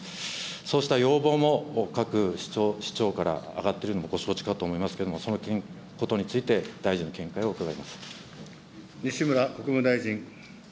そうした要望も各市長から挙がってるのもご承知かと思いますけれども、その点、そのことについて大臣、見解を伺います。